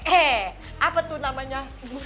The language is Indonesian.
he apa tuh namanya